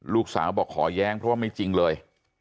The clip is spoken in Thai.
ลูกสาวบอกขอแย้งเพราะว่าไม่จริงเลย